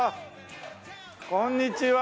こんにちは。